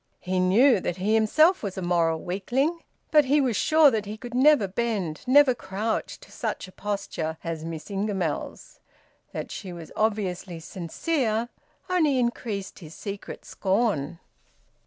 He knew that he himself was a moral weakling, but he was sure that he could never bend, never crouch, to such a posture as Miss Ingamells's; that she was obviously sincere only increased his secret scorn.